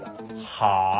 はあ？